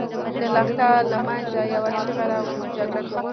د لښکر له مينځه يوه چيغه راغله! موږ جګړه کوو.